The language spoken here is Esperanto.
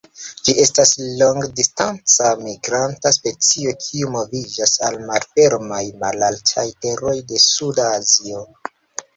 Ĝi estas longdistanca migranta specio kiu moviĝas al malfermaj malaltaj teroj de suda Azio.